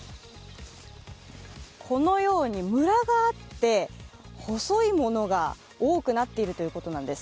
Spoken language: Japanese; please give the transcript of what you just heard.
このようにムラがあって、細いものが多くなっているということなんです。